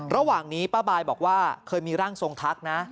ระหว่างนี้ป้าบายบอกว่าเคยมีร่างทรงทักนะ